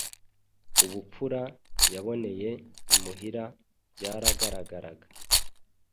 Ubupfura yaboneye imuhira bwaragaragaraga.